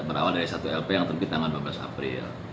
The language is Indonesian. berawal dari satu lp yang terbit tanggal dua belas april